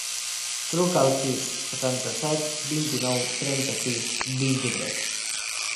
Truca al sis, setanta-set, vint-i-nou, trenta-sis, vint-i-tres.